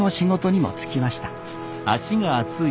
足が熱い。